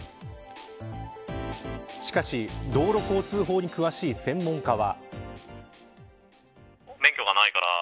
しかし、道路交通法に詳しい専門家は。